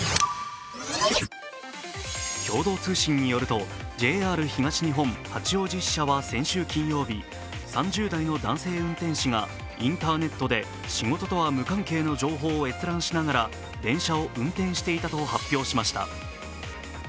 共同通信によるとＪＲ東日本八王子支社は先週金曜日、３０代の男性運転士がインターネットで仕事とは無関係の情報を閲覧しながら電車を運転していたと発表しました。